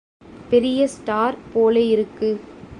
பெரிய ஸ்டார் போலே இருக்கு.